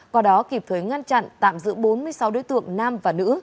qua đó kịp thuế ngăn chặn tạm giữ bốn mươi sáu đối tượng nam và nữ